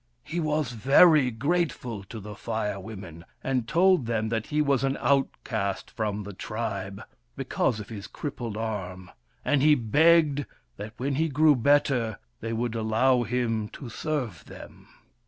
He was very grateful to the Fire Women, and told them that he was an outcast from the tribe, because of his crippled arm, and he begged that, when he grew better, they would allow him to serve them.